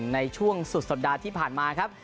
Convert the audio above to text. ในช่วงสุดสัปดาห์ที่ผ่านมาครับ